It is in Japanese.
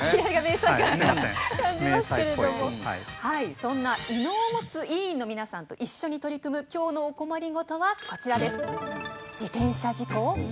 そんな異能を持つ委員の皆さんと一緒に取り組む今日のお困りごとはこちらです。